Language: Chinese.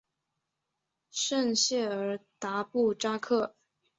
圣谢尔达布扎克。